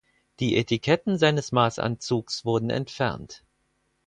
Die Etiketten seines Maßanzugs wurden entfernt.